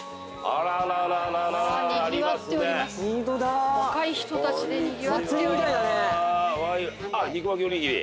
あっ肉巻きおにぎり。